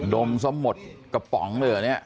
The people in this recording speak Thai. ดมซะหมดกระป๋องเลยเหรอเนี่ย